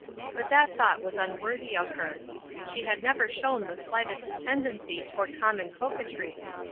But that thought was unworthy of her. She had never shown the slightest tendency toward common coquetry.